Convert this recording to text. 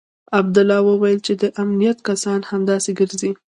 عبدالله وويل چې د امنيت کسان همداسې ګرځي.